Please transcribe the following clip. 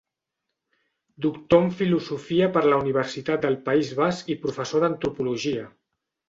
Doctor en Filosofia per la Universitat del País Basc i professor d'antropologia.